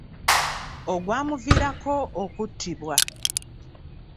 Ogwamuviirako okuttibwa.